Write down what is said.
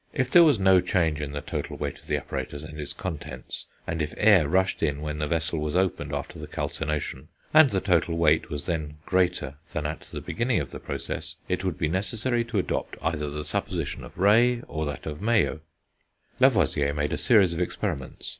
If there was no change in the total weight of the apparatus and its contents, and if air rushed in when the vessel was opened after the calcination, and the total weight was then greater than at the beginning of the process, it would be necessary to adopt either the supposition of Rey or that of Mayow. Lavoisier made a series of experiments.